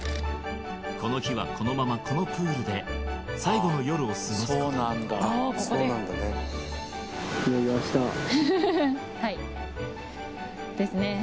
この日はこのままこのプールで最後の夜を過ごすことにいよいよ明日フフフフはいですね